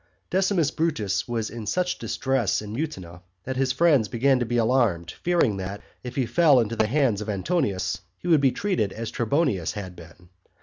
Decimus Brutus was in such distress in Mutina, that his friends began to be alarmed, fearing that, if he fell into the hands of Antonius, he would be treated as Trebonius had been.